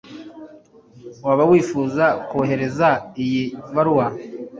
waba wifuza koherereza iyi baruwa